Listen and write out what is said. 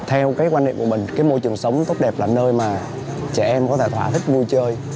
theo cái quan niệm của mình cái môi trường sống tốt đẹp là nơi mà trẻ em có thể thỏa thích vui chơi